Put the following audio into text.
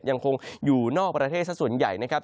ยังคงอยู่นอกประเทศสักส่วนใหญ่นะครับ